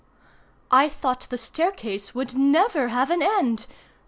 I thought the staircase would never have an end.